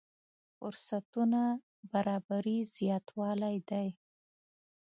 فرصتونو برابري زياتوالی دی.